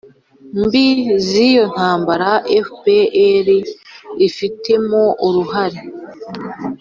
mbi z'iyo ntambara fpr ifitemo uruhare.